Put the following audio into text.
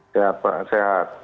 sehat pak sehat